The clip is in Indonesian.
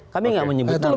kami enggak menyebut nama